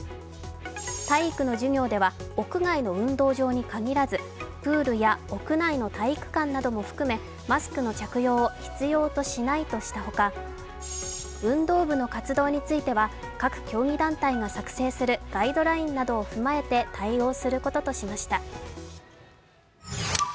体育の授業では、屋外の運動場に限らず、プールや屋内の体育館なども含めマスクの着用を必要としないとしたほか、運動部の活動については各競技団体が作成するガイドラインなどを踏まえて対応することとしました。